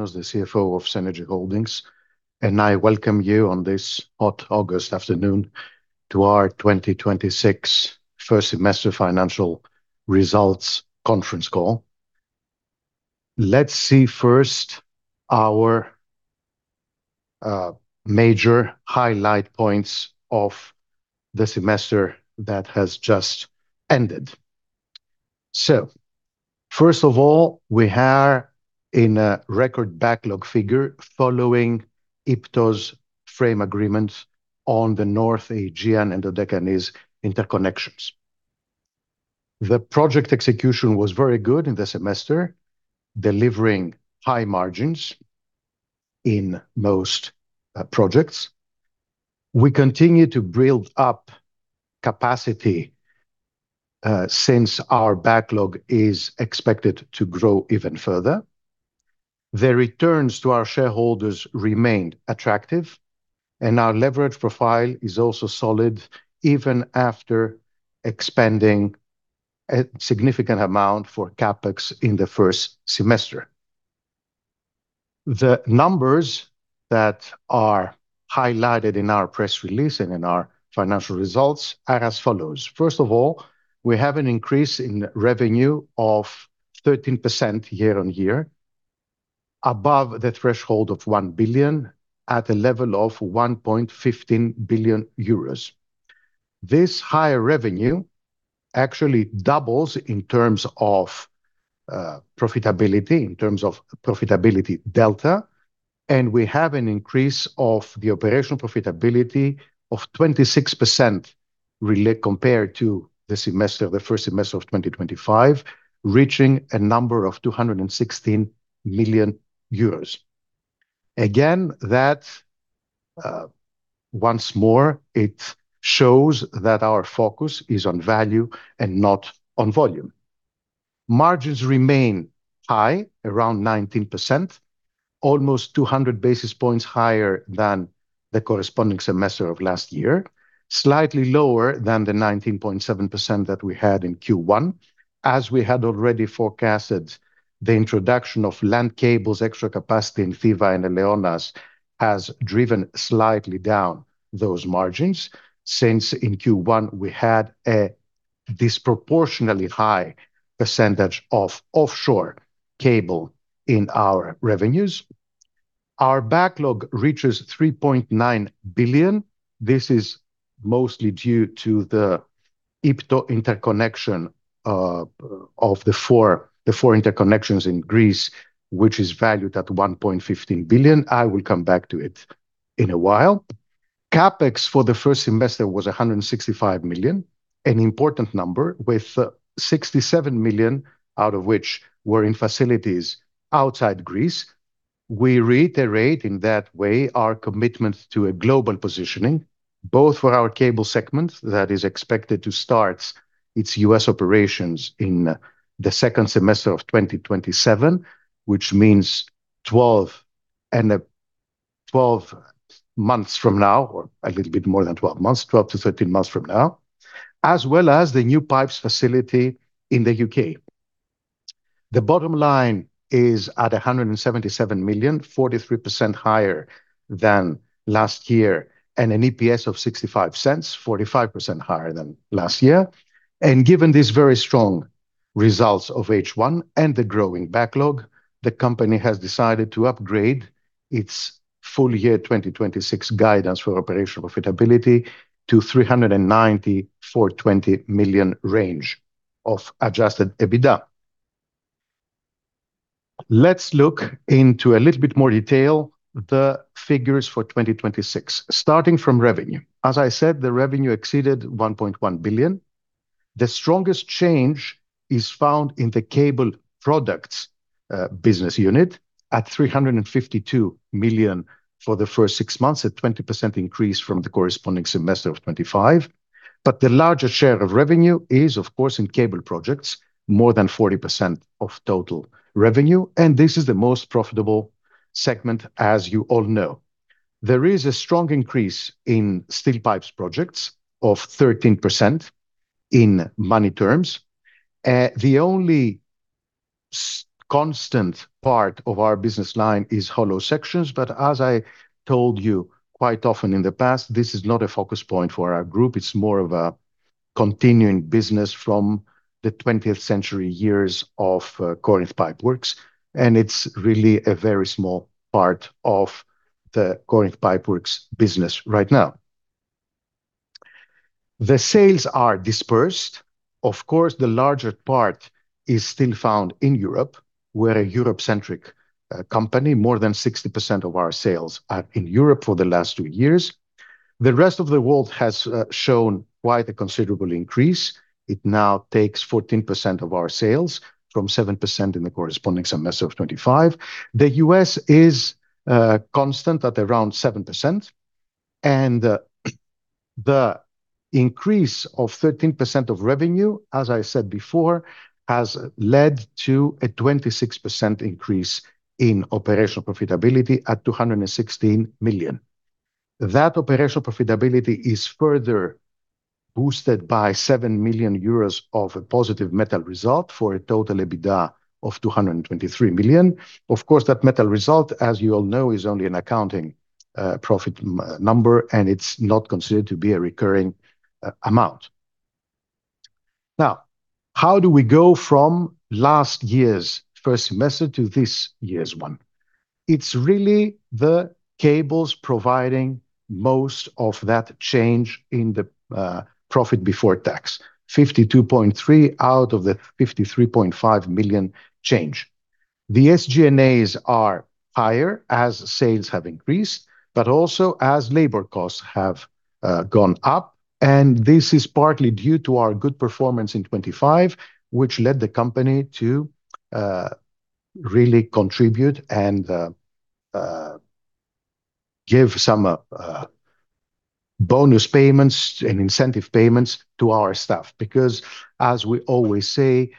As the CFO of Cenergy Holdings, I welcome you on this hot August afternoon to our 2026 First Semester Financial Results conference call. Let's see first our major highlight points of the semester that has just ended. First of all, we have a record backlog figure following IPTO's frame agreements on the North Aegean and the Dodecanese interconnections. The project execution was very good in the semester, delivering high margins in most projects. We continue to build up capacity since our backlog is expected to grow even further. The returns to our shareholders remained attractive, and our leverage profile is also solid, even after expending a significant amount for CapEx in the first semester. The numbers that are highlighted in our press release and in our financial results are as follows. First of all, we have an increase in revenue of 13% year-on-year above the threshold of 1 billion at a level of 1.15 billion euros. This higher revenue actually doubles in terms of profitability delta. We have an increase of the operational profitability of 26% compared to the first semester of 2025, reaching a number of 216 million euros. Again, once more, it shows that our focus is on value and not on volume. Margins remain high, around 19%, almost 200 basis points higher than the corresponding semester of last year, slightly lower than the 19.7% that we had in Q1. As we had already forecasted, the introduction of land cables, extra capacity in Thiva and Eleonas has driven slightly down those margins since in Q1 we had a disproportionately high percentage of offshore cable in our revenues. Our backlog reaches 3.9 billion. This is mostly due to the IPTO interconnection of the four interconnections in Greece, which is valued at 1.15 billion. I will come back to it in a while. CapEx for the first semester was 165 million, an important number with 67 million out of which were in facilities outside Greece. We reiterate in that way our commitment to a global positioning, both for our cable segment that is expected to start its U.S. operations in the second semester of 2027, which means 12 months from now, or a little bit more than 12 months, 12-13 months from now, as well as the new pipes facility in the U.K. The bottom line is at 177 million, 43% higher than last year, and an EPS of 0.65, 45% higher than last year. Given these very strong results of H1 and the growing backlog, the company has decided to upgrade its full year 2026 guidance for operational profitability to 390 million-420 million range of adjusted EBITDA. Let's look into a little bit more detail the figures for 2026, starting from revenue. As I said, the revenue exceeded 1.1 billion. The strongest change is found in the cable products business unit at 352 million for the first six months, a 20% increase from the corresponding semester of 2025. The largest share of revenue is, of course, in cable projects, more than 40% of total revenue, and this is the most profitable segment, as you all know. There is a strong increase in steel pipes projects of 13% in money terms. The only constant part of our business line is hollow sections, but as I told you quite often in the past, this is not a focus point for our group. It's more of a continuing business from the 20th century years of Corinth Pipeworks, and it's really a very small part of the Corinth Pipeworks business right now. The sales are dispersed. Of course, the larger part is still found in Europe. We're a Europe-centric company. More than 60% of our sales are in Europe for the last two years. The rest of the world has shown quite a considerable increase. It now takes 14% of our sales from 7% in the corresponding semester of 2025. The U.S. is constant at around 7%, and the increase of 13% of revenue, as I said before, has led to a 26% increase in operational profitability at 216 million. That operational profitability is further boosted by 7 million euros of a positive metal result for a total EBITDA of 223 million. Of course, that metal result, as you all know, is only an accounting profit number, and it's not considered to be a recurring amount. How do we go from last year's first semester to this year's one? It's really the cables providing most of that change in the profit before tax, 52.3 out of the 53.5 million change. The SG&A are higher as sales have increased, but also as labor costs have gone up, and this is partly due to our good performance in 2025, which led the company to really contribute and give some bonus payments and incentive payments to our staff. Because as we always say,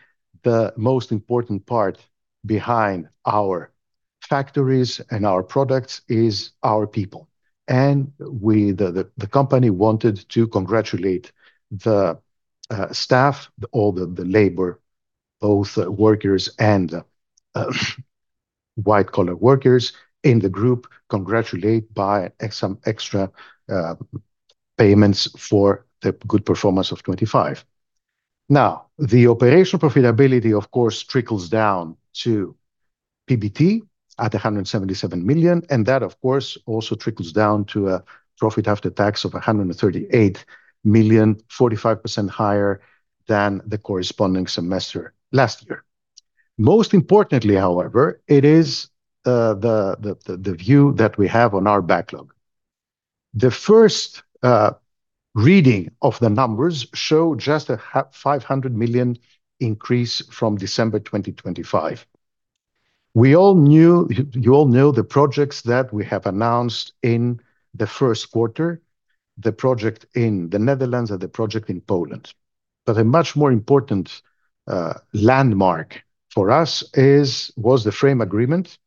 the most important part behind our factories and our products is our people. The company wanted to congratulate the staff, all the labor, both workers and white-collar workers in the group, congratulate by some extra payments for the good performance of 2025. The operational profitability, of course, trickles down to PBT at 177 million, and that, of course, also trickles down to a profit after tax of 138 million, 45% higher than the corresponding semester last year. Most importantly, however, it is the view that we have on our backlog. The first reading of the numbers show just a 500 million increase from December 2025. You all know the projects that we have announced in the first quarter, the project in the Netherlands and the project in Poland. A much more important landmark for us was the frame agreement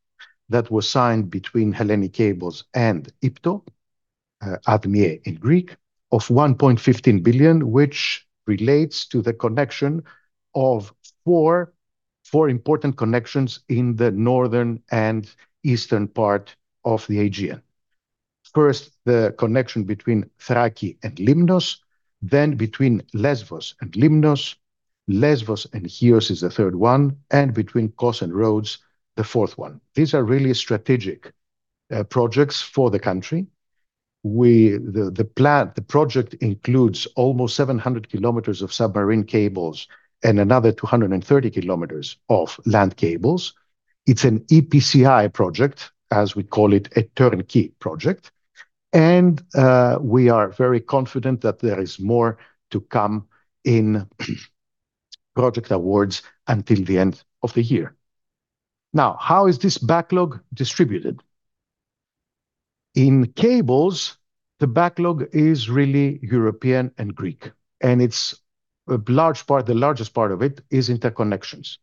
that was signed between Hellenic Cables and IPTO, ΑΔΜΗΕ in Greek, of 1.15 billion, which relates to the connection of four important connections in the northern and eastern part of the Aegean. First, the connection between Thrace and Lemnos, then between Lesvos and Lemnos, Lesvos and Chios is the third one, and between Kos and Rhodes, the fourth one. These are really strategic projects for the country. The project includes almost 700 km of submarine cables and another 230 km of land cables. It's an EPCI project, as we call it, a turnkey project. We are very confident that there is more to come in project awards until the end of the year. How is this backlog distributed? In cables, the backlog is really European and Greek, and the largest part of it is interconnections.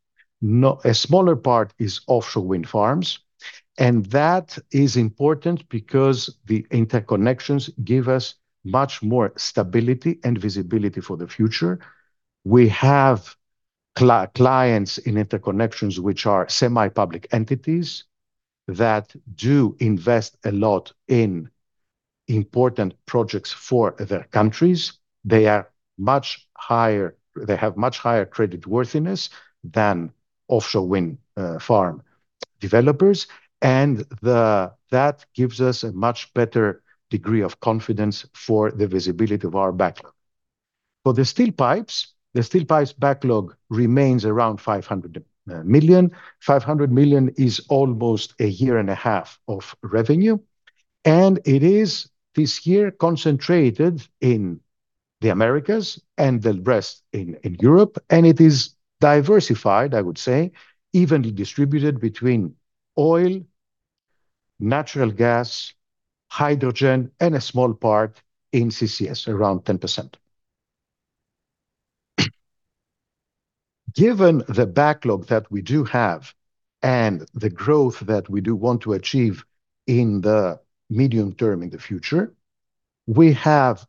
A smaller part is offshore wind farms. That is important because the interconnections give us much more stability and visibility for the future. We have clients in interconnections, which are semi-public entities that do invest a lot in important projects for their countries. They have much higher credit worthiness than offshore wind farm developers. That gives us a much better degree of confidence for the visibility of our backlog. For the steel pipes, the steel pipes backlog remains around 500 million. 500 million is almost a year and a half of revenue, and it is this year concentrated in the Americas and the rest in Europe. It is diversified, I would say, evenly distributed between oil, natural gas, hydrogen, and a small part in CCS, around 10%. Given the backlog that we do have and the growth that we do want to achieve in the medium term in the future, we have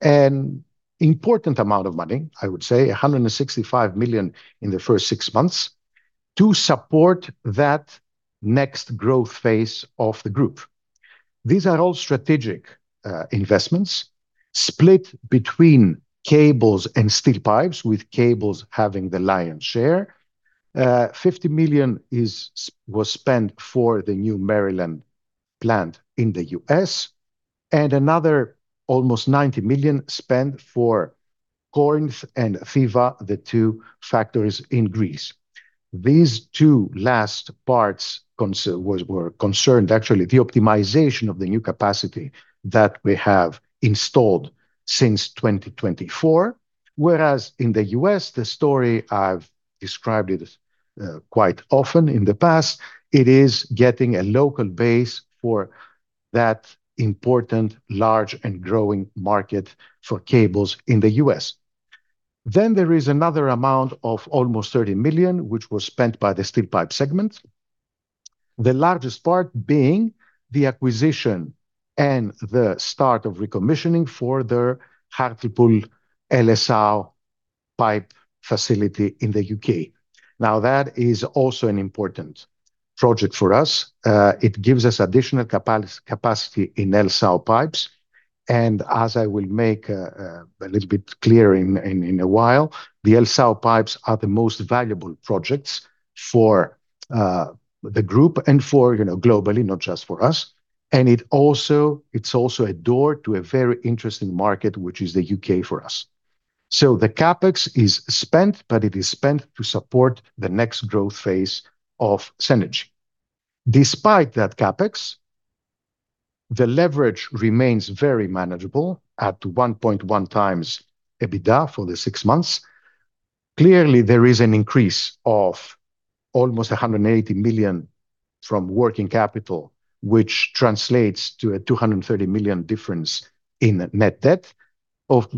spent an important amount of money, I would say 165 million in the first six months, to support that next growth phase of the group. These are all strategic investments split between cables and steel pipes, with cables having the lion's share. 50 million was spent for the new Maryland plant in the U.S., and another almost 90 million spent for Corinth and Thiva, the two factories in Greece. These two last parts were concerned, actually, the optimization of the new capacity that we have installed since 2024. In the U.S., the story I've described it quite often in the past, it is getting a local base for that important, large, and growing market for cables in the U.S. There is another amount of almost 30 million, which was spent by the steel pipe segment. The largest part being the acquisition and the start of recommissioning for the Hartlepool LSAW pipe facility in the U.K. That is also an important project for us. It gives us additional capacity in LSAW pipes and as I will make a little bit clear in a while, the LSAW pipes are the most valuable projects for the group and for globally, not just for us. It is also a door to a very interesting market, which is the U.K. for us. The CapEx is spent, but it is spent to support the next growth phase of Cenergy. Despite that CapEx, the leverage remains very manageable at 1.1x EBITDA for the six months. Clearly, there is an increase of almost 180 million from working capital, which translates to a 230 million difference in net debt.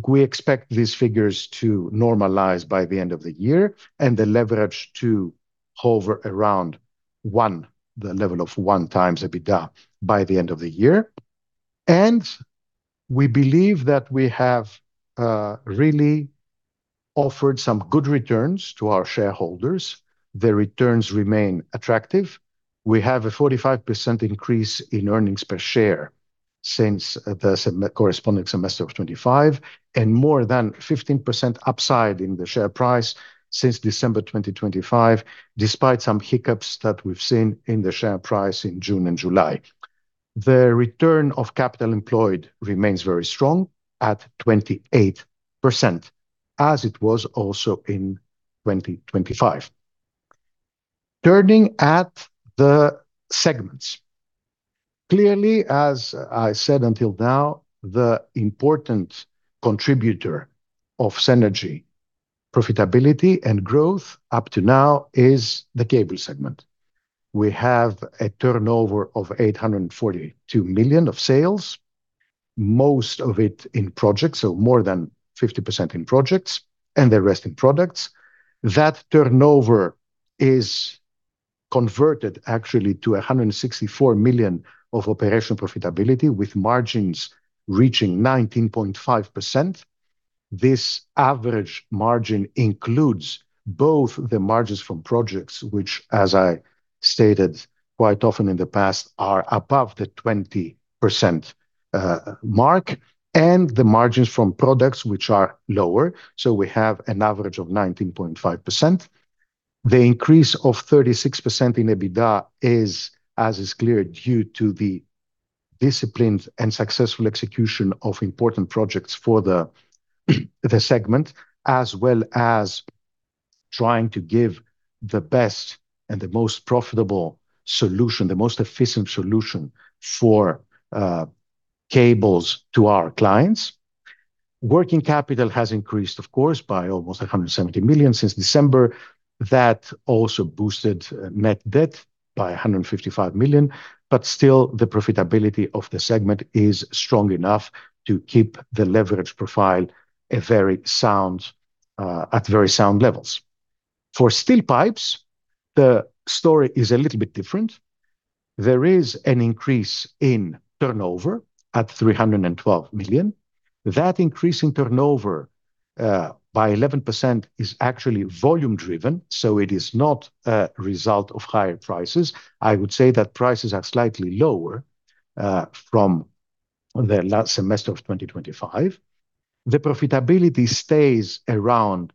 We expect these figures to normalize by the end of the year and the leverage to hover around one, the level of 1x EBITDA by the end of the year. We believe that we have really offered some good returns to our shareholders. The returns remain attractive. We have a 45% increase in earnings per share since the corresponding semester of 2025, and more than 15% upside in the share price since December 2025, despite some hiccups that we've seen in the share price in June and July. The return of capital employed remains very strong at 28%, as it was also in 2025. Turning at the segments. Clearly, as I said until now, the important contributor of Cenergy, profitability, and growth up to now is the cable segment. We have a turnover of 842 million of sales, most of it in projects, so more than 50% in projects and the rest in products. That turnover is converted actually to 164 million of operational profitability, with margins reaching 19.5%. This average margin includes both the margins from projects which, as I stated quite often in the past, are above the 20% mark, and the margins from products which are lower. We have an average of 19.5%. The increase of 36% in EBITDA is, as is clear, due to the disciplined and successful execution of important projects for the segment, as well as trying to give the best and the most profitable solution, the most efficient solution for Hellenic Cables to our clients. Working capital has increased, of course, by almost 170 million since December. That also boosted net debt by 155 million. Still, the profitability of the segment is strong enough to keep the leverage profile at very sound levels. For steel pipes, the story is a little bit different. There is an increase in turnover at 312 million. That increase in turnover by 11% is actually volume driven, so it is not a result of higher prices. I would say that prices are slightly lower from the last semester of 2025. The profitability stays around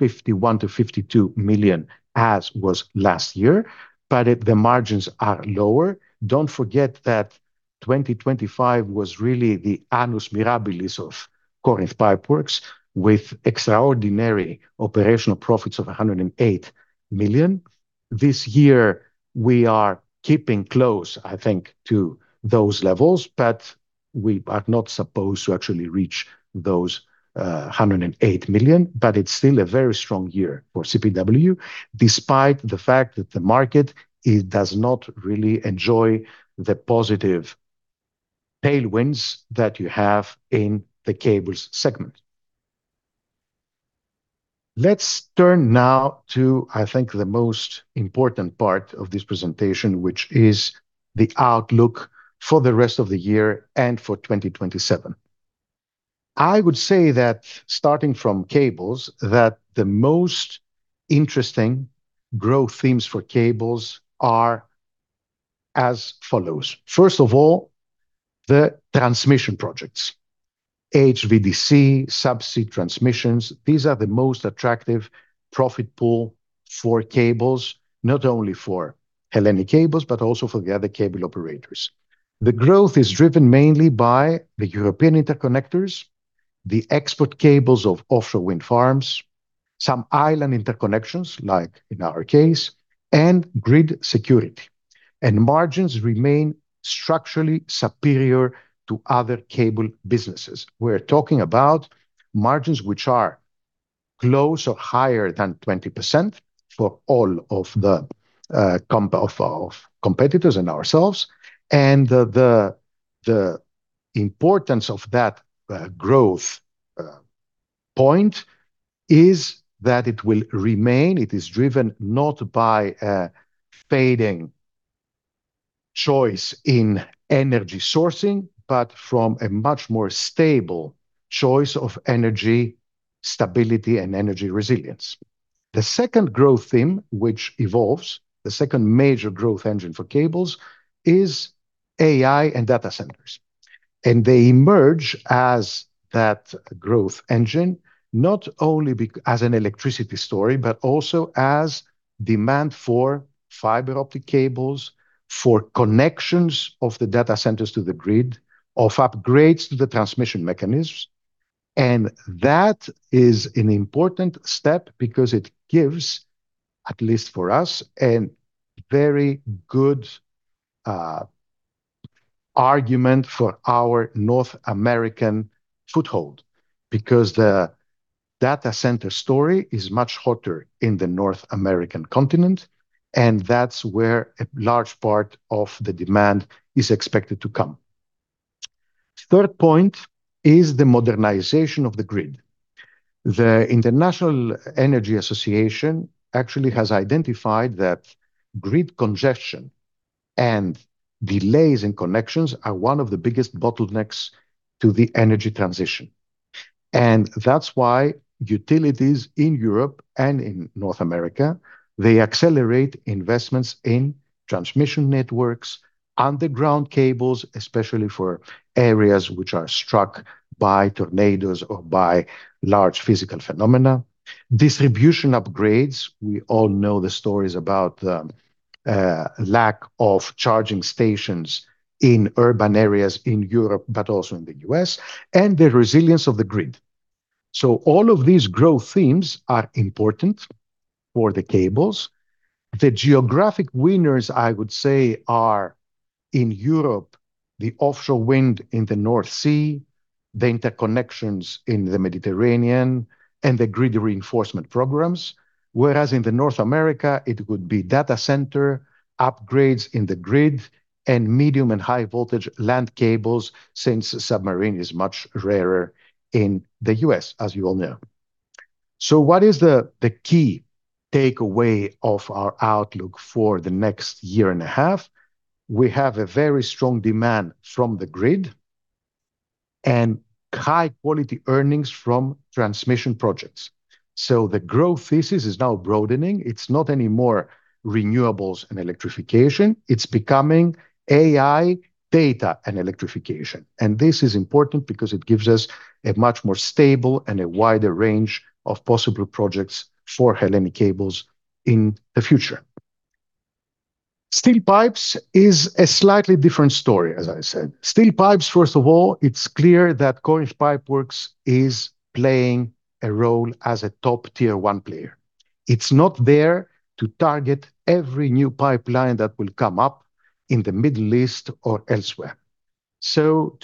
51 million to 52 million, as was last year, but the margins are lower. Don't forget that 2025 was really the annus mirabilis of Corinth Pipeworks with extraordinary operational profits of 108 million. This year, we are keeping close, I think, to those levels, but we are not supposed to actually reach those, 108 million, but it's still a very strong year for CPW, despite the fact that the market does not really enjoy the positive tailwinds that you have in the cables segment. Let's turn now to, I think, the most important part of this presentation, which is the outlook for the rest of the year and for 2027. I would say that starting from cables, that the most interesting growth themes for cables are as follows. First of all, the transmission projects. HVDC, subsea transmissions, these are the most attractive profit pool for cables, not only for Hellenic Cables, but also for the other cable operators. The growth is driven mainly by the European interconnectors, the export cables of offshore wind farms, some island interconnections, like in our case, and grid security. Margins remain structurally superior to other cable businesses. We're talking about margins which are close or higher than 20% for all of competitors and ourselves, and the importance of that growth point is that it will remain. It is driven not by fading choice in energy sourcing, but from a much more stable choice of energy stability and energy resilience. The second growth theme, which evolves, the second major growth engine for cables is AI and data centers. They emerge as that growth engine, not only as an electricity story, but also as demand for fiber optic cables, for connections of the data centers to the grid, of upgrades to the transmission mechanisms. That is an important step because it gives, at least for us, a very good argument for our North American foothold because the data center story is much hotter in the North American continent, and that's where a large part of the demand is expected to come. Third point is the modernization of the grid. The International Energy Agency actually has identified that grid congestion and delays in connections are one of the biggest bottlenecks to the energy transition. That's why utilities in Europe and in North America, they accelerate investments in transmission networks, underground cables, especially for areas which are struck by tornadoes or by large physical phenomena, distribution upgrades. We all know the stories about the lack of charging stations in urban areas in Europe, but also in the U.S., and the resilience of the grid. All of these growth themes are important for the cables. The geographic winners, I would say, are in Europe, the offshore wind in the North Sea, the interconnections in the Mediterranean, and the grid reinforcement programs. Whereas in North America it would be data center upgrades in the grid and medium and high voltage land cables since submarine is much rarer in the U.S., as you all know. What is the key takeaway of our outlook for the next year and a half? We have a very strong demand from the grid and high quality earnings from transmission projects. The growth thesis is now broadening. It's not anymore renewables and electrification. It's becoming AI data and electrification. This is important because it gives us a much more stable and a wider range of possible projects for Hellenic Cables in the future. Steel pipes is a slightly different story as I said. Steel pipes, first of all, it's clear that Corinth Pipeworks is playing a role as a top tier one player. It's not there to target every new pipeline that will come up in the Middle East or elsewhere.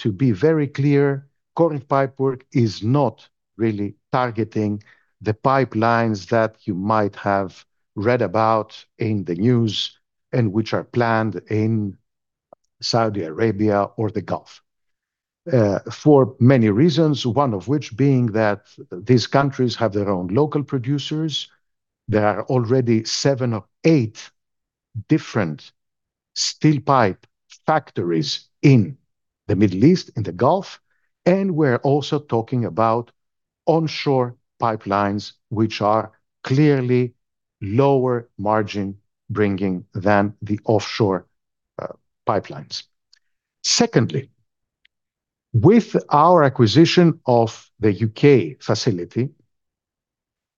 To be very clear, Corinth Pipeworks is not really targeting the pipelines that you might have read about in the news and which are planned in Saudi Arabia or the Gulf. For many reasons, one of which being that these countries have their own local producers. There are already seven or eight different steel pipe factories in the Middle East, in the Gulf, and we're also talking about onshore pipelines, which are clearly lower margin bringing than the offshore pipelines. Secondly, with our acquisition of the U.K. facility,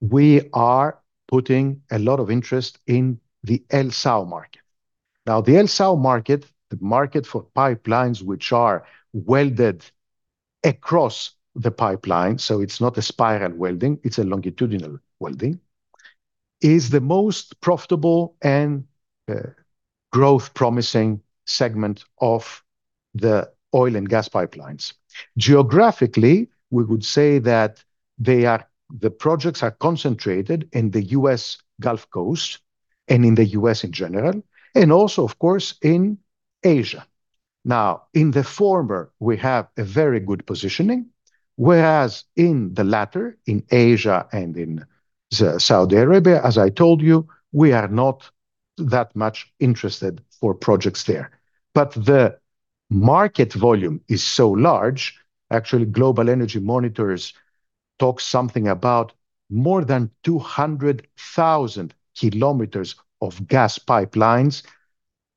we are putting a lot of interest in the LSAW market. The LSAW market, the market for pipelines, which are welded across the pipeline, so it's not a spiral welding, it's a longitudinal welding, is the most profitable and growth promising segment of the oil and gas pipelines. Geographically, we would say that the projects are concentrated in the U.S. Gulf Coast and in the U.S. in general, and also, of course, in Asia. In the former, we have a very good positioning, whereas in the latter, in Asia and in Saudi Arabia, as I told you, we are not that much interested for projects there. The market volume is so large. Actually, Global Energy Monitor talks something about more than 200,000 km of gas pipelines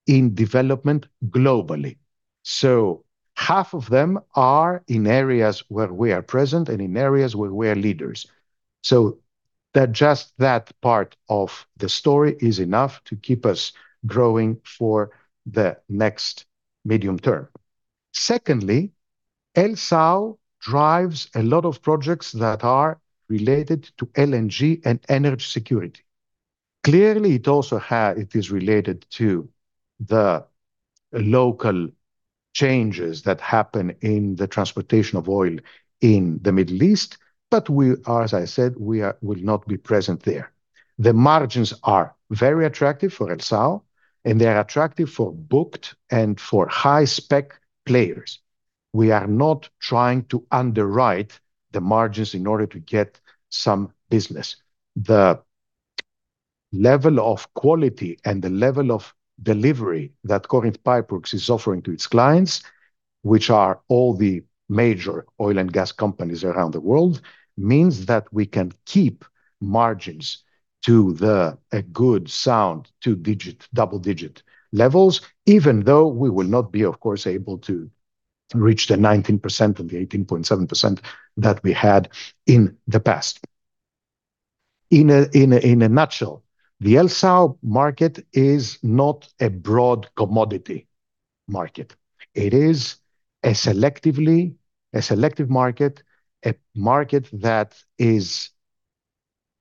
in development globally. Half of them are in areas where we are present and in areas where we are leaders. Just that part of the story is enough to keep us growing for the next medium term. Secondly, LSAW drives a lot of projects that are related to LNG and energy security. Clearly, it is related to the local changes that happen in the transportation of oil in the Middle East, as I said, we will not be present there. The margins are very attractive for LSAW, they are attractive for booked and for high spec players. We are not trying to underwrite the margins in order to get some business. The level of quality and the level of delivery that Corinth Pipeworks is offering to its clients, which are all the major oil and gas companies around the world, means that we can keep margins to the good sound double digit levels, even though we will not be, of course, able to reach the 19% and the 18.7% that we had in the past. In a nutshell, the LSAW market is not a broad commodity market. It is a selective market, a market that is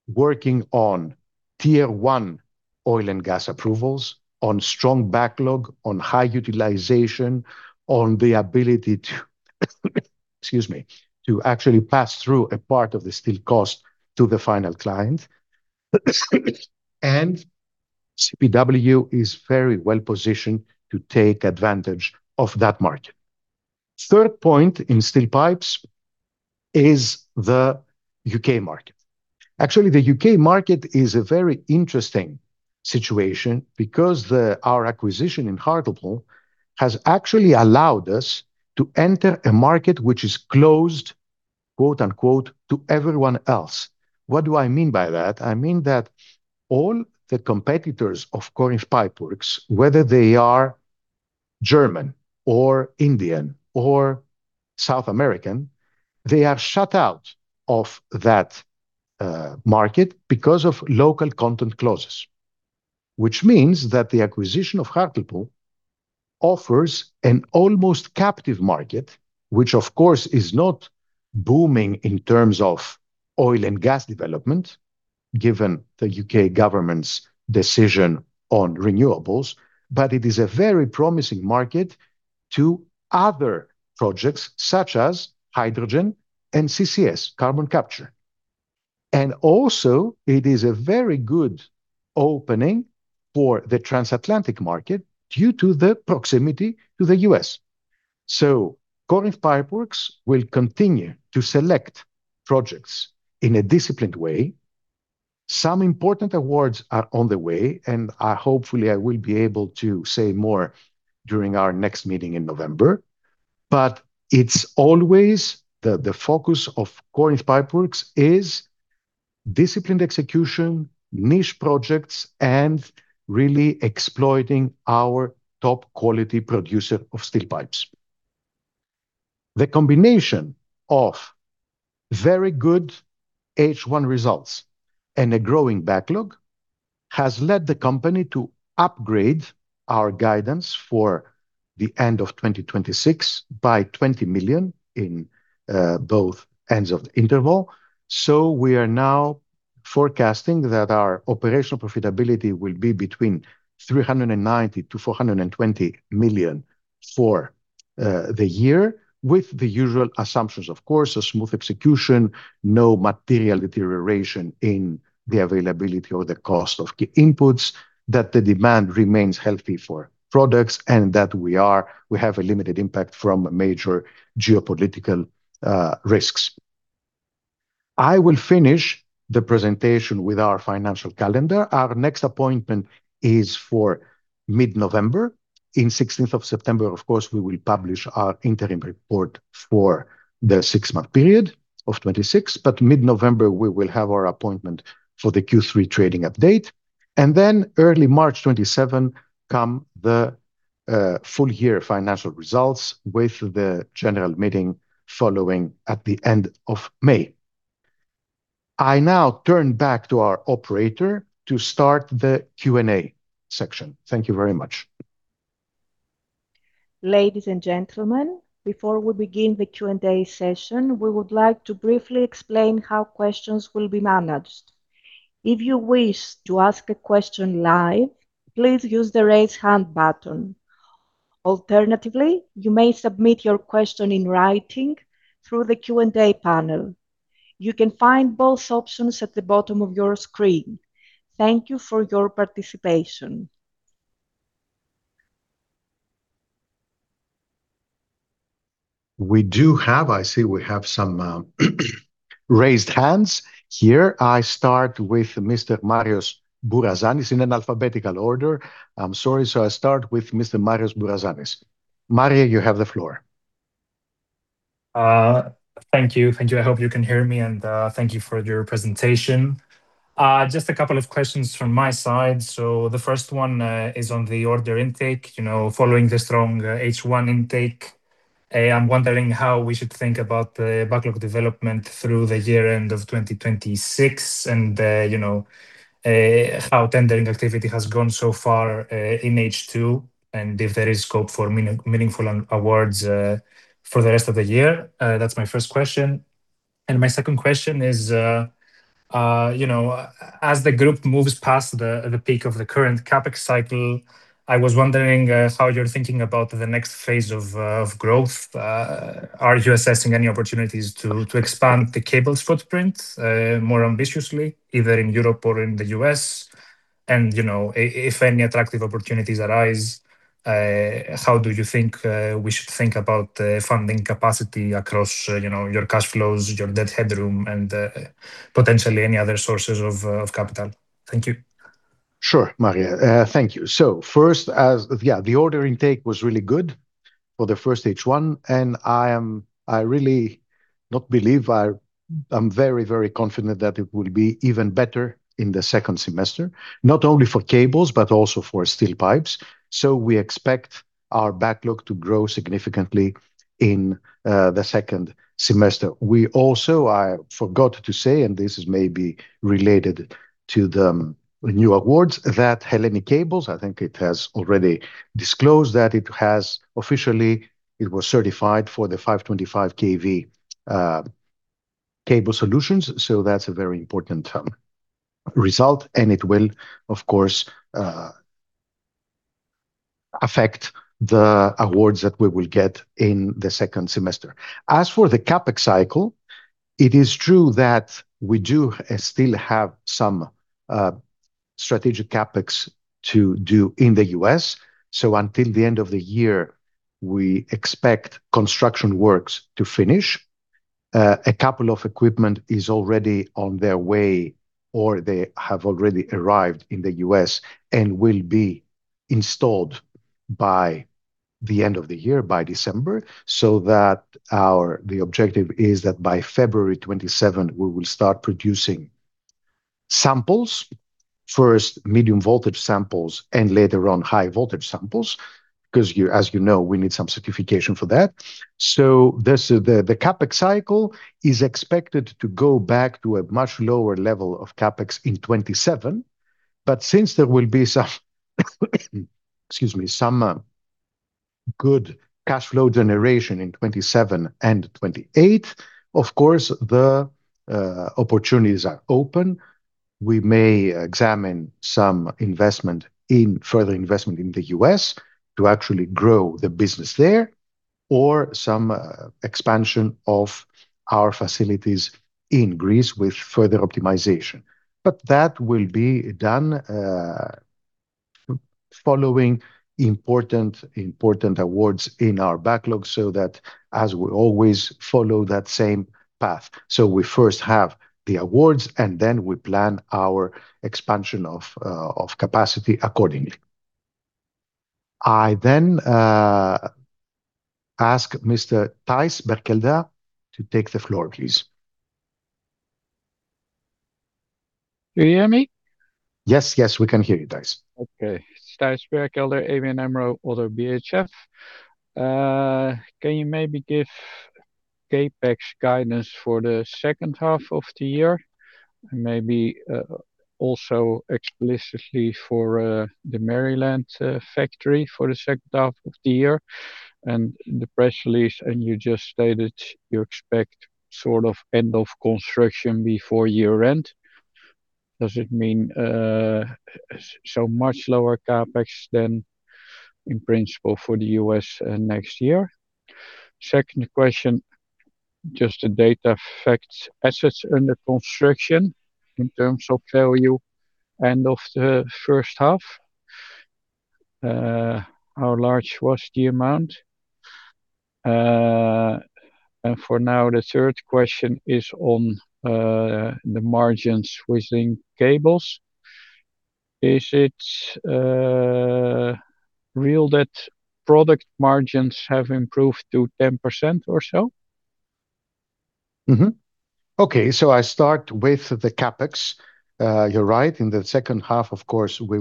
working on tier 1 oil and gas approvals, on strong backlog, on high utilization, on the ability to actually pass through a part of the steel cost to the final client. CPW is very well-positioned to take advantage of that market. Third point in steel pipes is the U.K. market. Actually, the U.K. market is a very interesting situation because our acquisition in Hartlepool has actually allowed us to enter a market which is closed, quote unquote, to everyone else. What do I mean by that? I mean that all the competitors of Corinth Pipeworks, whether they are German or Indian or South American, they are shut out of that market because of local content clauses, which means that the acquisition of Hartlepool offers an almost captive market, which of course, is not booming in terms of oil and gas development, given the U.K. government's decision on renewables, but it is a very promising market to other projects such as hydrogen and CCS, carbon capture. Also it is a very good opening for the transatlantic market due to the proximity to the U.S. Corinth Pipeworks will continue to select projects in a disciplined way. Some important awards are on the way, hopefully, I will be able to say more during our next meeting in November. It's always the focus of Corinth Pipeworks is disciplined execution, niche projects, and really exploiting our top quality producer of steel pipes. The combination of very good H1 results and a growing backlog has led the company to upgrade our guidance for the end of 2026 by 20 million in both ends of the interval. We are now forecasting that our operational profitability will be between 390 million to 420 million for the year with the usual assumptions, of course, a smooth execution, no material deterioration in the availability or the cost of key inputs, that the demand remains healthy for products, that we have a limited impact from major geopolitical risks. I will finish the presentation with our financial calendar. Our next appointment is for mid-November. On 16th of September, of course, we will publish our interim report for the six-month period of 2026. Mid-November, we will have our appointment for the Q3 trading update. Early March 2027 come the full year financial results with the general meeting following at the end of May. I now turn back to our operator to start the Q&A section. Thank you very much. Ladies and gentlemen, before we begin the Q&A session, we would like to briefly explain how questions will be managed. If you wish to ask a question live, please use the raise hand button. Alternatively, you may submit your question in writing through the Q&A panel. You can find both options at the bottom of your screen. Thank you for your participation. I see we have some raised hands here. I start with Mr. Marios Bourazanis in an alphabetical order. I'm sorry, I start with Mr. Marios Bourazanis. Marios, you have the floor. Thank you. I hope you can hear me, thank you for your presentation. Just a couple of questions from my side. The first one is on the order intake following the strong H1 intake. I'm wondering how we should think about the backlog development through the year end of 2026 and how tendering activity has gone so far in H2. If there is scope for meaningful awards for the rest of the year, that's my first question. My second question is as the group moves past the peak of the current CapEx cycle, I was wondering how you're thinking about the next phase of growth. Are you assessing any opportunities to expand the cables footprint more ambitiously, either in Europe or in the U.S.? If any attractive opportunities arise, how do you think we should think about funding capacity across your cash flows, your debt headroom, and potentially any other sources of capital? Thank you. Sure, Marios. Thank you. First, yeah, the order intake was really good for the first H1, and I'm very confident that it will be even better in the second semester, not only for cables, but also for steel pipes. We expect our backlog to grow significantly in the second semester. We also, I forgot to say, and this is maybe related to the new awards that Hellenic Cables, I think it has already disclosed that it was officially certified for the 525 kV cable solutions. That's a very important result, and it will, of course, affect the awards that we will get in the second semester. As for the CapEx cycle, it is true that we do still have some strategic CapEx to do in the U.S. Until the end of the year, we expect construction works to finish. A couple of equipment is already on their way, or they have already arrived in the U.S. and will be installed by the end of the year, by December, so that the objective is that by February 2027, we will start producing samples, first medium voltage samples, and later on high voltage samples, because as you know, we need some certification for that. The CapEx cycle is expected to go back to a much lower level of CapEx in 2027, but since there will be some excuse me, some good cash flow generation in 2027 and 2028, of course, the opportunities are open. We may examine some further investment in the U.S. to actually grow the business there or some expansion of our facilities in Greece with further optimization. That will be done following important awards in our backlog so that as we always follow that same path. We first have the awards, and then we plan our expansion of capacity accordingly. I ask Mr. Thijs Berkelder to take the floor, please. Can you hear me? Yes. We can hear you, Thijs. Okay. It's Thijs Berkelder, ABNAMRO ODDO BHF. Can you maybe give CapEx guidance for the second half of the year and maybe also explicitly for the Maryland factory for the second half of the year and the press release. You just stated you expect sort of end of construction before year-end. Does it mean so much lower CapEx than in principle for the U.S. next year? Second question, just the data affects assets under construction in terms of value end of the first half. How large was the amount? For now, the third question is on the margins within cables. Is it real that product margins have improved to 10% or so? Okay. I start with the CapEx. You're right. In the second half, of course, we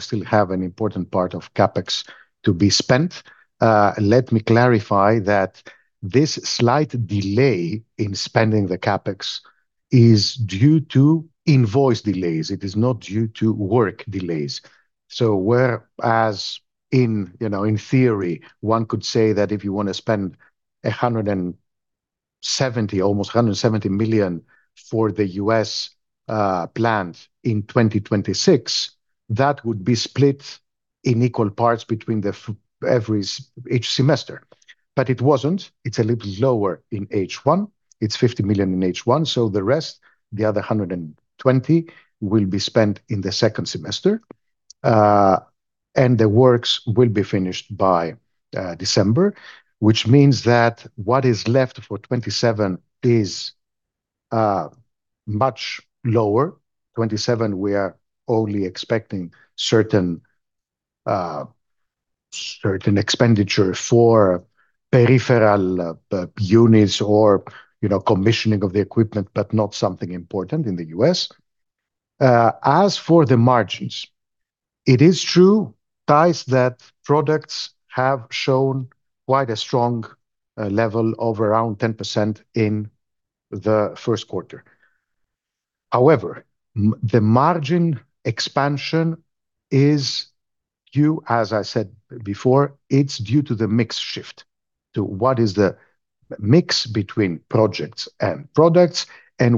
still have an important part of CapEx to be spent. Let me clarify that this slight delay in spending the CapEx is due to invoice delays. It is not due to work delays. Whereas in theory, one could say that if you want to spend almost 170 million for the U.S. plant in 2026, that would be split in equal parts between each semester. It wasn't. It's a little lower in H1. It's 50 million in H1. The rest, the other 120, will be spent in the second semester. The works will be finished by December, which means that what is left for 2027 is much lower. 2027, we are only expecting certain expenditure for peripheral units or commissioning of the equipment, but not something important in the U.S. As for the margins, it is true, Thijs, that products have shown quite a strong level of around 10% in the first quarter. However, the margin expansion is, as I said before, due to the mix shift, to what is the mix between projects and products and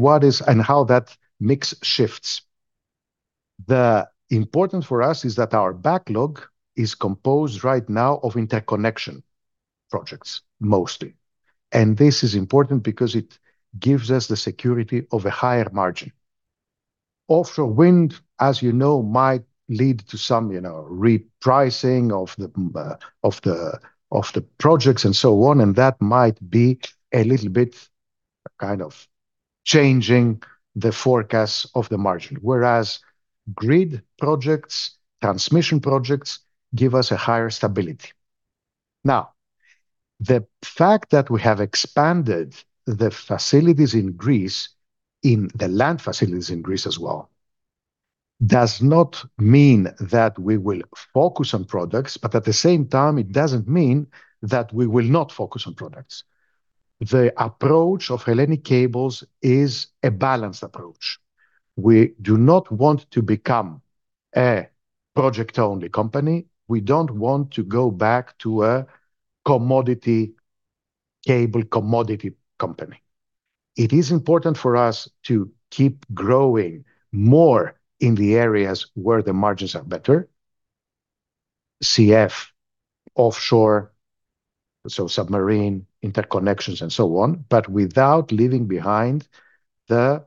how that mix shifts. The importance for us is that our backlog is composed right now of interconnection projects mostly. This is important because it gives us the security of a higher margin. Offshore wind, as you know, might lead to some repricing of the projects and so on, and that might be a little bit kind of changing the forecast of the margin. Grid projects, transmission projects give us a higher stability. The fact that we have expanded the facilities in Greece, the land facilities in Greece as well, does not mean that we will focus on products, but at the same time, it doesn't mean that we will not focus on products. The approach of Hellenic Cables is a balanced approach. We do not want to become a project-only company. We don't want to go back to a commodity cable commodity company. It is important for us to keep growing more in the areas where the margins are better. CF, Offshore, so submarine interconnections and so on, but without leaving behind the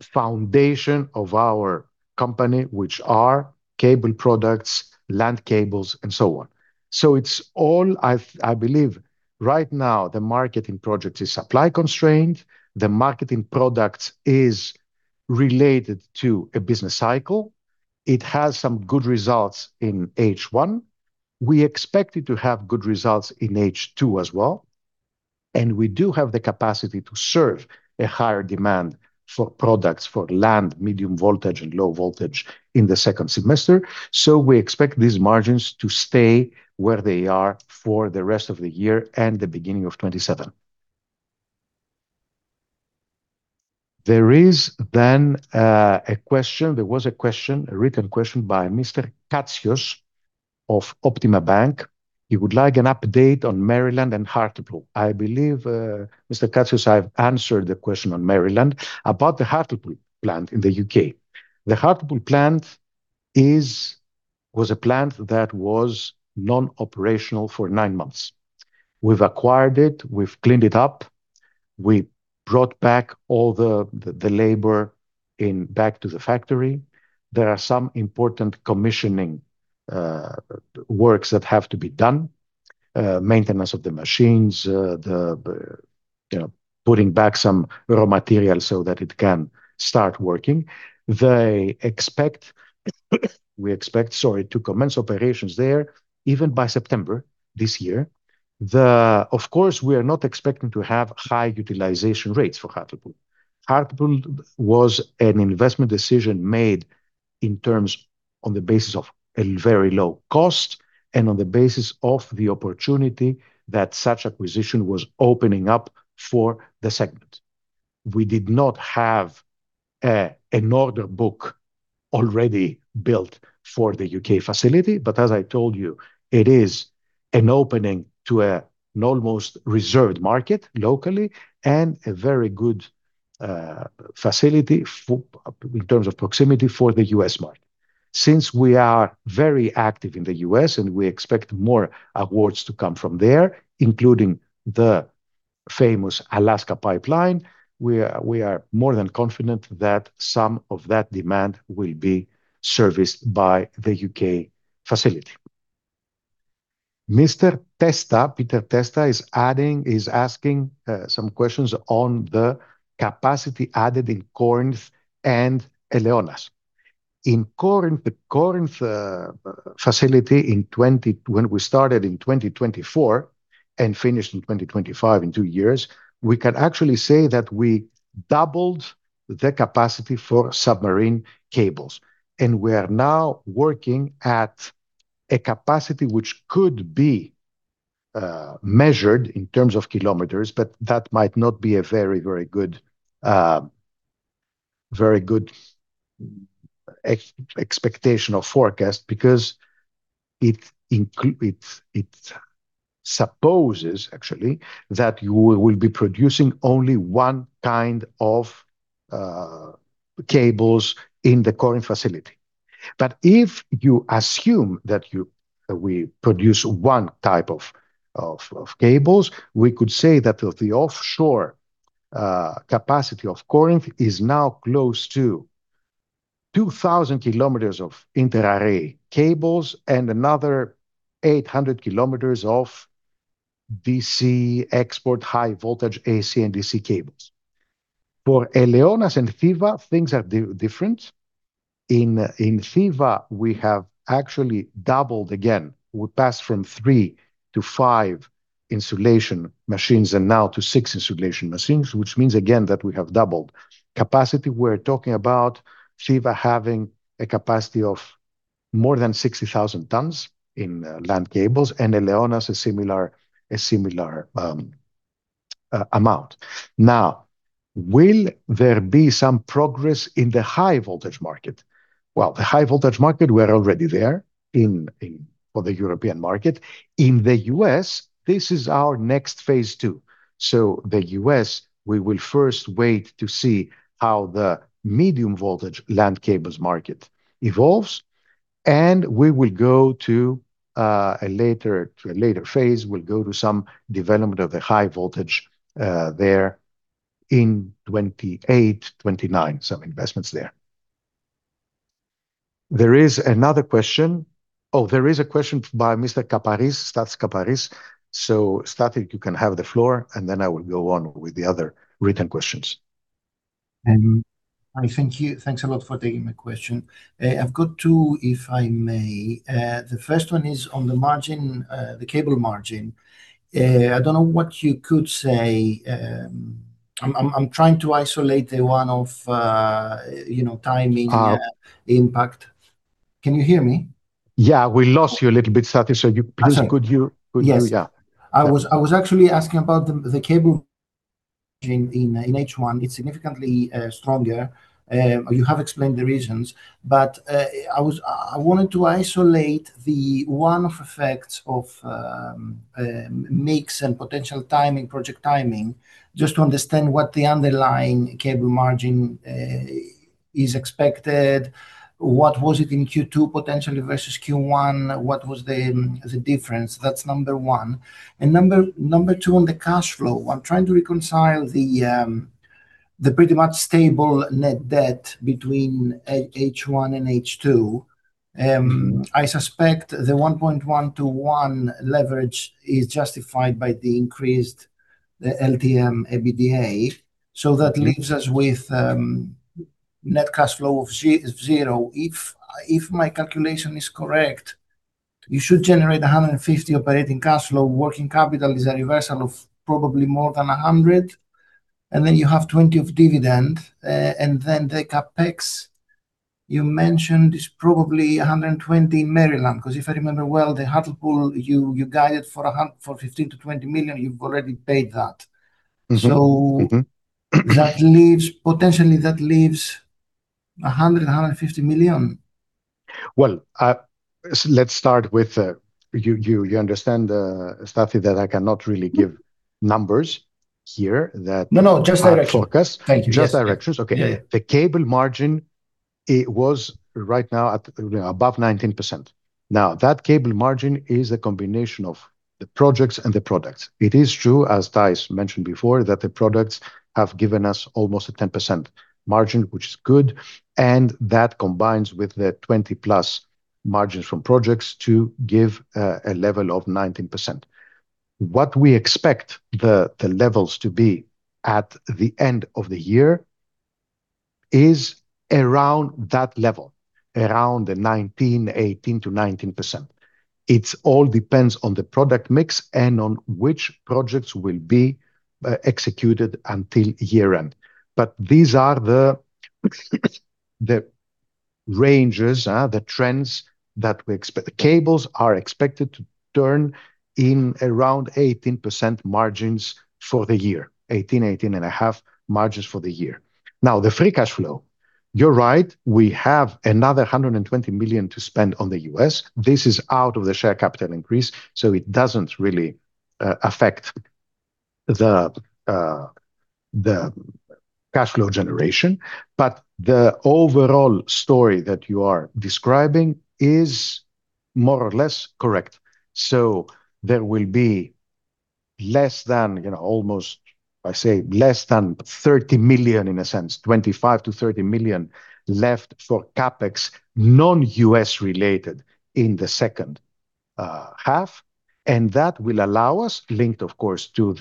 foundation of our company, which are cable products, land cables, and so on. It's all, I believe, right now the market in project is supply constrained. The market in product is related to a business cycle. It has some good results in H1. We expect it to have good results in H2 as well, and we do have the capacity to serve a higher demand for products for land, medium voltage, and low voltage in the second semester. We expect these margins to stay where they are for the rest of the year and the beginning of 2027. There is a question, there was a question, a written question by Mr. Katsios of Optima Bank. He would like an update on Maryland and Hartlepool. I believe, Mr. Katsios, I've answered the question on Maryland. About the Hartlepool plant in the U.K. The Hartlepool plant was a plant that was non-operational for nine months. We've acquired it, we've cleaned it up, we brought back all the labor back to the factory. There are some important commissioning works that have to be done, maintenance of the machines, putting back some raw material so that it can start working. We expect, sorry, to commence operations there even by September this year. Of course, we are not expecting to have high utilization rates for Hartlepool. Hartlepool was an investment decision made in terms on the basis of a very low cost and on the basis of the opportunity that such acquisition was opening up for the segment. We did not have an order book already built for the U.K. facility, but as I told you, it is an opening to an almost reserved market locally and a very good facility in terms of proximity for the U.S. market. Since we are very active in the U.S. and we expect more awards to come from there, including the famous Alaska Pipeline, we are more than confident that some of that demand will be serviced by the U.K. facility. Mr. Testa, Peter Testa is asking some questions on the capacity added in Corinth and Eleonas. In Corinth, the Corinth facility, when we started in 2024 and finished in 2025, in two years, we can actually say that we doubled the capacity for submarine cables. We are now working at a capacity which could be measured in terms of kilometers, but that might not be a very good expectational forecast because it supposes, actually, that you will be producing only one kind of cables in the Corinth facility. If you assume that we produce one type of cables, we could say that the offshore capacity of Corinth is now close to 2,000 km of interarray cables and another 800 km of DC export high voltage AC and DC cables. For Eleonas and Thiva, things are different. In Thiva, we have actually doubled again. We passed from three to five insulation machines and now to six insulation machines, which means again that we have doubled capacity. We're talking about Thiva having a capacity of more than 60,000 tons in land cables and Eleonas a similar amount. Will there be some progress in the high voltage market? Well, the high voltage market, we're already there for the European market. In the U.S., this is our next phase II. The U.S., we will first wait to see how the medium voltage land cables market evolves, and we will go to a later phase, some development of the high voltage there in 2028, 2029, some investments there. There is another question. There is a question by Mr. Kaparis, Stathis Kaparis. Stathis, you can have the floor, and then I will go on with the other written questions. I thank you. Thanks a lot for taking my question. I've got two, if I may. The first one is on the margin, the cable margin. I don't know what you could say. I'm trying to isolate the one of timing impact. Can you hear me? Yeah, we lost you a little bit, Stathis. I see. Yeah. I was actually asking about the cable in H1. It's significantly stronger. You have explained the reasons, but I wanted to isolate the one effect of mix and potential timing, project timing, just to understand what the underlying cable margin is expected. What was it in Q2 potentially versus Q1? What was the difference? That's number one. Number two, on the cash flow. I'm trying to reconcile the pretty much stable net debt between H1 and H2. I suspect the 1.121 leverage is justified by the increased LTM EBITDA. That leaves us with net cash flow of zero. If my calculation is correct, you should generate 150 million operating cash flow. Working capital is a reversal of probably more than 100 million, and then you have 20 million of dividend, and then the CapEx you mentioned is probably 120 million, because if I remember well, the Hartlepool you guided for 15 million-20 million, you've already paid that. that leaves 100 million, 150 million. Let's start with you understand, Stathis, that I cannot really give numbers here. No, just direction. Focus. Thank you. Yes. Just directions. Okay. Yeah. The cable margin, it was right now at above 19%. That cable margin is a combination of the projects and the products. It is true, as Thijs mentioned before, that the products have given us almost a 10% margin, which is good, and that combines with the 20-plus margins from projects to give a level of 19%. What we expect the levels to be at the end of the year is around that level, around the 18%-19%. It all depends on the product mix and on which projects will be executed until year-end. These are the ranges, the trends that we expect. The cables are expected to turn in around 18% margins for the year, 18.5% margins for the year. The free cash flow, you're right, we have another 120 million to spend on the U.S. This is out of the share capital increase, it doesn't really affect the cash flow generation. The overall story that you are describing is more or less correct. There will be less than almost, I say less than 30 million, in a sense, 25 million-30 million left for CapEx, non-U.S. related in the second half. That will allow us linked, of course, to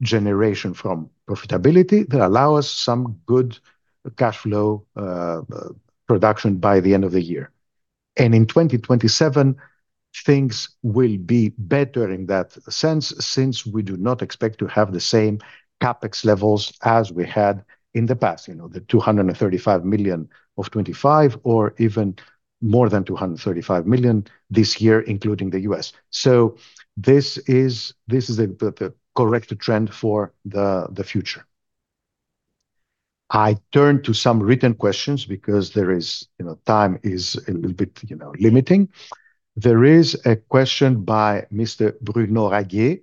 the generation from profitability, that allow us some good cash flow production by the end of the year. In 2027, things will be better in that sense, since we do not expect to have the same CapEx levels as we had in the past, the 235 million of 2025 or even more than 235 million this year, including the U.S. This is the correct trend for the future. I turn to some written questions because time is a little bit limiting. There is a question by Mr. Bruno Raguer.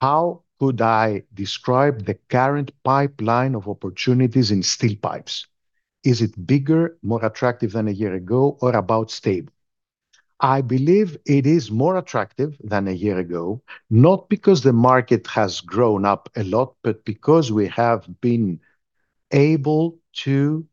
How could I describe the current pipeline of opportunities in steel pipes? Is it bigger, more attractive than a year ago, or about stable? I believe it is more attractive than a year ago, not because the market has grown up a lot, but because we have been able to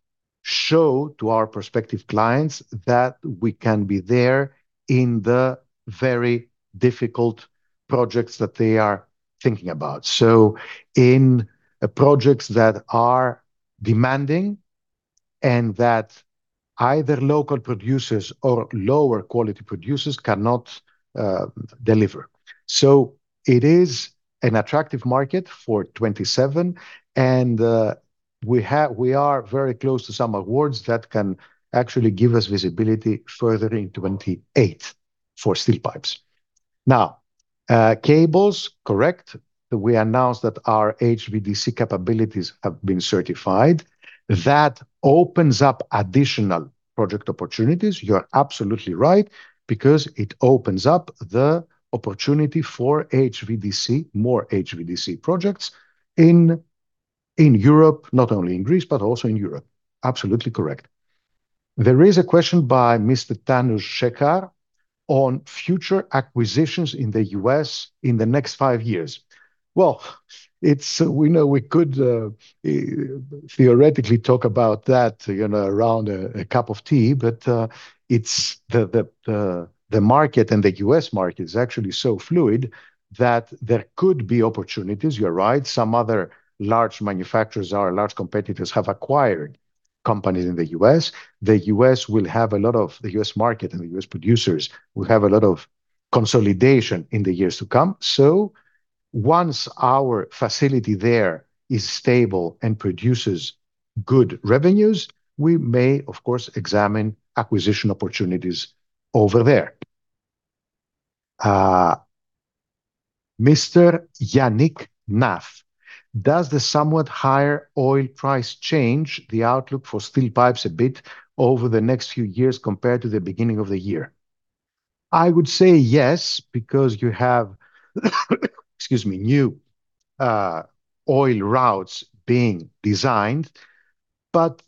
show to our prospective clients that we can be there in the very difficult projects that they are thinking about. In projects that are demanding and that either local producers or lower quality producers cannot deliver. It is an attractive market for 2027, and we are very close to some awards that can actually give us visibility further in 2028 for steel pipes. Cables, correct. We announced that our HVDC capabilities have been certified. That opens up additional project opportunities, you are absolutely right, because it opens up the opportunity for more HVDC projects in Europe, not only in Greece, but also in Europe. Absolutely correct. There is a question by Mr. Tanush Shekhar on future acquisitions in the U.S. in the next five years. Well, we could theoretically talk about that around a cup of tea, but the market and the U.S. market is actually so fluid that there could be opportunities. You are right, some other large manufacturers, our large competitors, have acquired companies in the U.S. The U.S. market and the U.S. producers will have a lot of consolidation in the years to come. Once our facility there is stable and produces good revenues, we may, of course, examine acquisition opportunities over there. Mr. Yannick Naf. Does the somewhat higher oil price change the outlook for steel pipes a bit over the next few years compared to the beginning of the year? I would say yes, because you have, excuse me, new oil routes being designed, but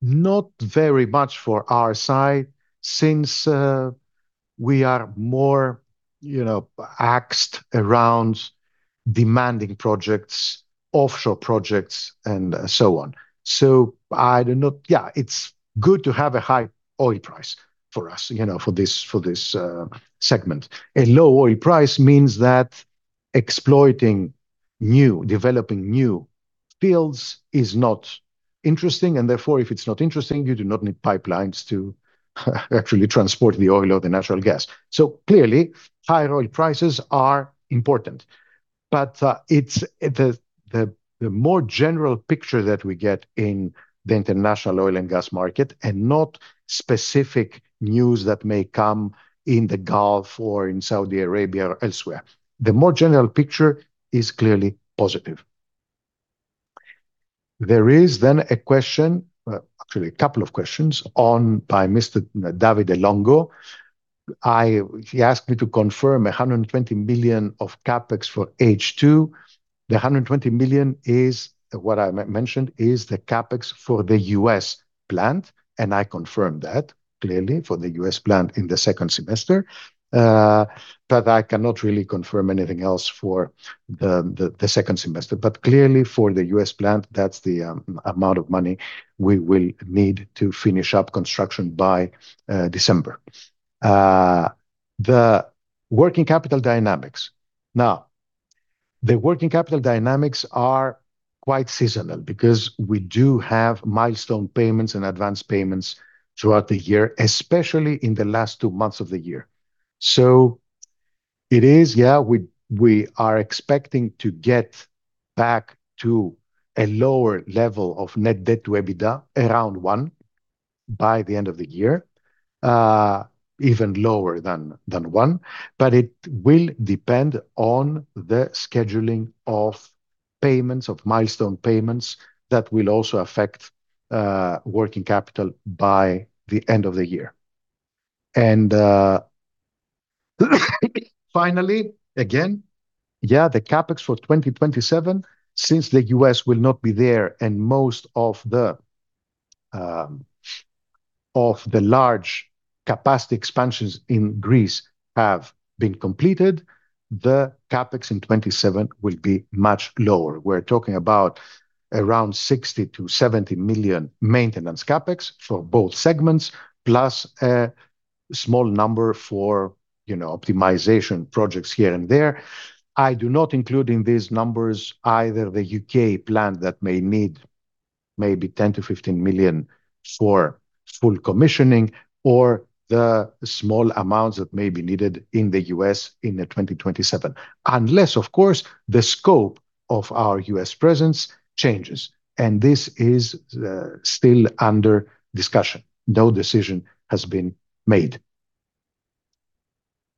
not very much for our side since we are more axed around demanding projects, offshore projects and so on. I do not. It is good to have a high oil price for us, for this segment. A low oil price means that exploiting new, developing new fields is not interesting, and therefore, if it is not interesting, you do not need pipelines to actually transport the oil or the natural gas. Clearly, higher oil prices are important, but it is the more general picture that we get in the international oil and gas market and not specific news that may come in the Gulf or in Saudi Arabia or elsewhere. The more general picture is clearly positive. There is then a question, actually a couple of questions by Mr. David Longo. He asked me to confirm 120 million of CapEx for H2. The 120 million is what I mentioned is the CapEx for the U.S. plant, and I confirm that clearly for the U.S. plant in the second semester, but I cannot really confirm anything else for the second semester. But clearly for the U.S. plant, that is the amount of money we will need to finish up construction by December. The working capital dynamics. The working capital dynamics are quite seasonal because we do have milestone payments and advance payments throughout the year, especially in the last two months of the year. It is, we are expecting to get back to a lower level of net debt to EBITDA around one by the end of the year, even lower than one. But it will depend on the scheduling of milestone payments that will also affect working capital by the end of the year. And finally, again, the CapEx for 2027, since the U.S. will not be there, and most of the large capacity expansions in Greece have been completed, the CapEx in 2027 will be much lower. We are talking about around 60 million to 70 million maintenance CapEx for both segments, plus a small number for optimization projects here and there. I do not include in these numbers either the U.K. plant that may need maybe 10 million to 15 million for full commissioning or the small amounts that may be needed in the U.S. in 2027. Unless, of course, the scope of our U.S. presence changes, and this is still under discussion. No decision has been made.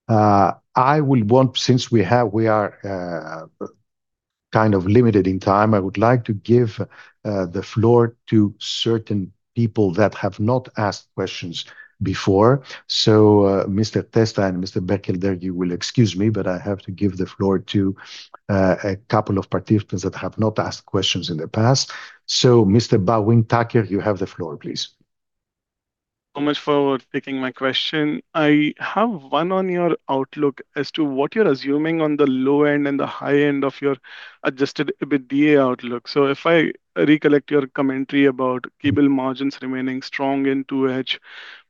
Since we are kind of limited in time, I would like to give the floor to certain people that have not asked questions before. Mr. Testa and Mr. Berkelder, you will excuse me, but I have to give the floor to a couple of participants that have not asked questions in the past. Mr. Balwant Thakur, you have the floor, please. Much for taking my question. I have one on your outlook as to what you're assuming on the low end and the high end of your adjusted EBITDA outlook. If I recollect your commentary about cable margins remaining strong in 2H,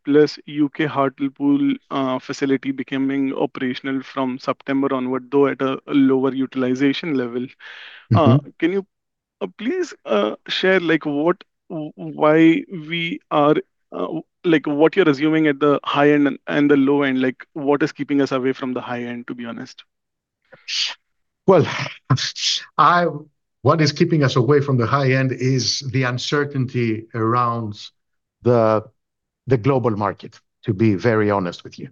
plus U.K. Hartlepool facility becoming operational from September onward, though at a lower utilization level. Can you please share what you're assuming at the high end and the low end? What is keeping us away from the high end, to be honest? Well, what is keeping us away from the high end is the uncertainty around the global market, to be very honest with you.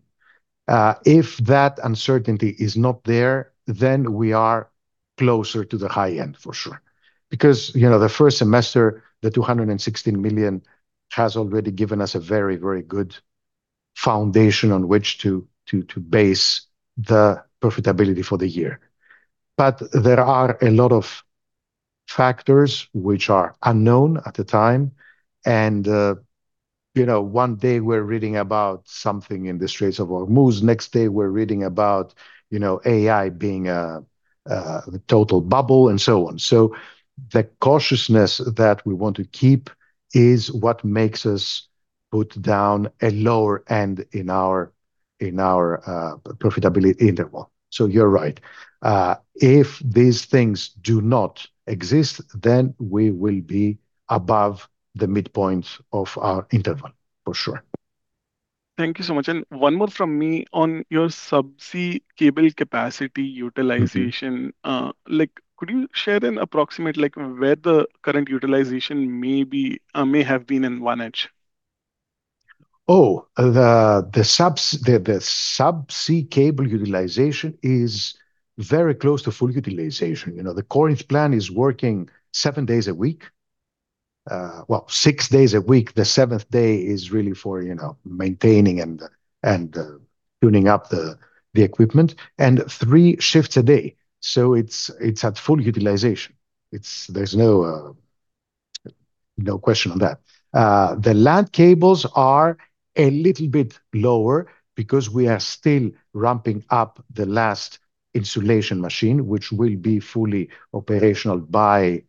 If that uncertainty is not there, we are closer to the high end for sure. The first semester, the 216 million has already given us a very good foundation on which to base the profitability for the year. There are a lot of factors which are unknown at the time, one day we're reading about something in the Straits of Hormuz, next day we're reading about AI being a total bubble, and so on. The cautiousness that we want to keep is what makes us put down a lower end in our profitability interval. You're right. If these things do not exist, we will be above the midpoint of our interval, for sure. Thank you so much. One more from me. On your subsea cable capacity utilization, could you share an approximate where the current utilization may have been in 1H? The subsea cable utilization is very close to full utilization. The Corinth plant is working six days a week. The seventh day is really for maintaining and tuning up the equipment. Three shifts a day. It is at full utilization. There is no question on that. The land cables are a little bit lower because we are still ramping up the last insulation machine, which will be fully operational by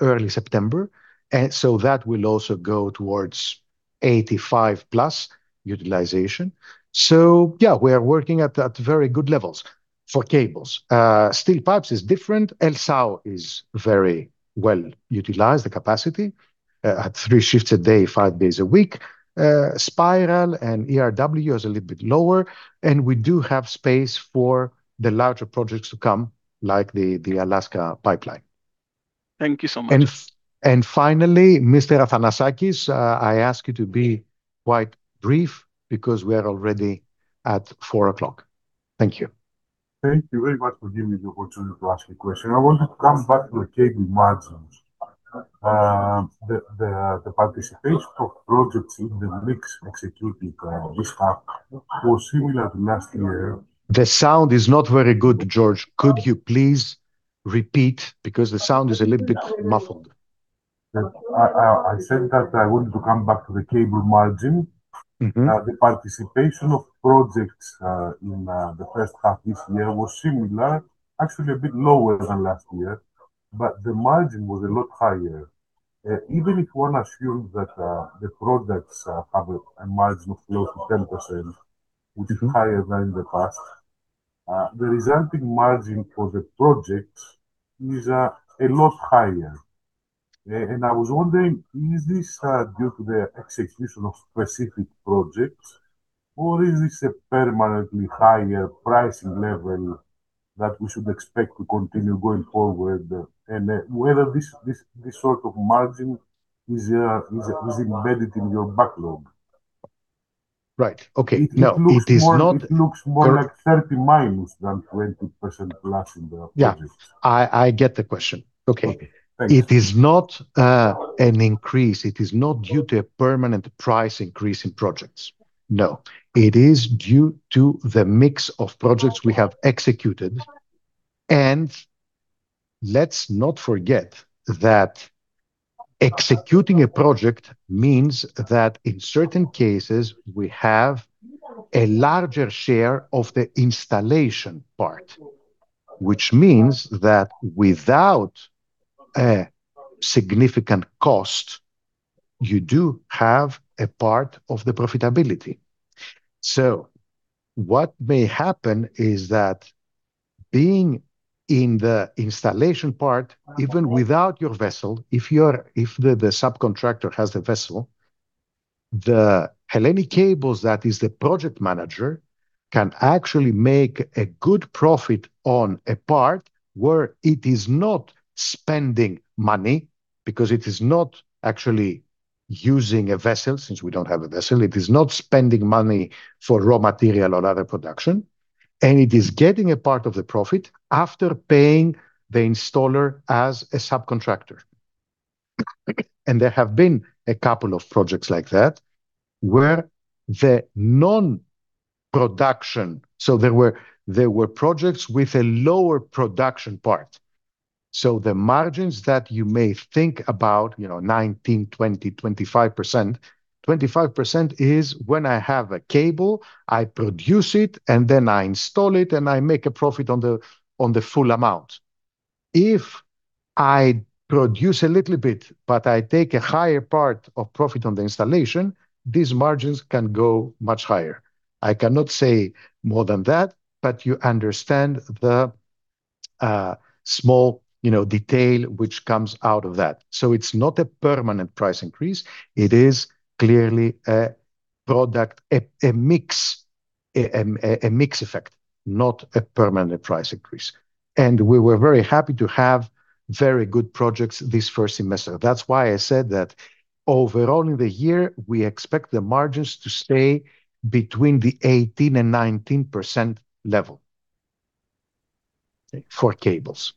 early September, that will also go towards 85-plus utilization. We are working at very good levels for cables. Steel pipes is different. LSAW is very well utilized, the capacity, at three shifts a day, five days a week. Spiral and ERW is a little bit lower, and we do have space for the larger projects to come, like the Alaska Pipeline. Thank you so much. Finally, Mr. Athanasakis, I ask you to be quite brief because we are already at 4 o'clock. Thank you. Thank you very much for giving me the opportunity to ask a question. I wanted to come back to the cable margins. The participation of projects in the mix executed this half was similar to last year. The sound is not very good, George. Could you please repeat? Because the sound is a little bit muffled. I said that I wanted to come back to the cable margin. The participation of projects in the first half this year was similar, actually a bit lower than last year, but the margin was a lot higher. Even if one assumes that the projects have a margin of close to 10%, which is higher than in the past, the resulting margin for the project is a lot higher. I was wondering, is this due to the execution of specific projects or is this a permanently higher pricing level that we should expect to continue going forward? Whether this sort of margin is embedded in your backlog. Right. Okay. No, it is not- It looks more like -30% than +20% in the project. Yeah. I get the question. Okay. Okay. Thank you. It is not an increase. It is not due to a permanent price increase in projects. No. It is due to the mix of projects we have executed, let's not forget that executing a project means that in certain cases, we have a larger share of the installation part. Which means that without a significant cost, you do have a part of the profitability. What may happen is that being in the installation part, even without your vessel, if the subcontractor has the vessel, the Hellenic Cables, that is the project manager, can actually make a good profit on a part where it is not spending money because it is not actually using a vessel, since we don't have a vessel. It is not spending money for raw material or other production, it is getting a part of the profit after paying the installer as a subcontractor. There have been a couple of projects like that, where the non-production, there were projects with a lower production part. The margins that you may think about, 19%, 20%, 25%. 25% is when I have a cable, I produce it, then I install it, I make a profit on the full amount. If I produce a little bit, I take a higher part of profit on the installation, these margins can go much higher. I cannot say more than that, you understand the small detail which comes out of that. It's not a permanent price increase. It is clearly a product, a mix effect, not a permanent price increase. We were very happy to have very good projects this first semester. That's why I said that overall in the year, we expect the margins to stay between the 18%-19% level for cables.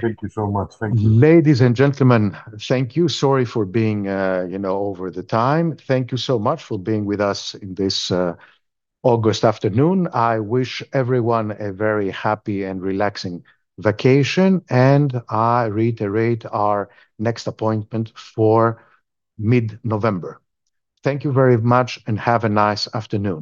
Thank you so much. Thank you. Ladies and gentlemen, thank you. Sorry for being over the time. Thank you so much for being with us in this August afternoon. I wish everyone a very happy and relaxing vacation. I reiterate our next appointment for mid-November. Thank you very much. Have a nice afternoon.